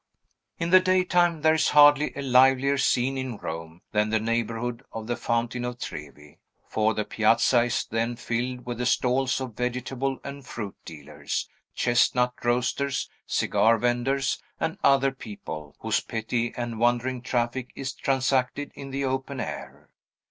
In the daytime, there is hardly a livelier scene in Rome than the neighborhood of the Fountain of Trevi; for the piazza is then filled with the stalls of vegetable and fruit dealers, chestnut roasters, cigar venders, and other people, whose petty and wandering traffic is transacted in the open air.